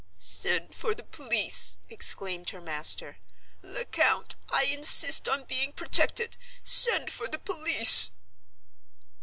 "Send for the police," exclaimed her master. "Lecount, I insist on being protected. Send for the police!"